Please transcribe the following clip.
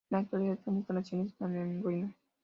En la actualidad, estas instalaciones están en ruinas.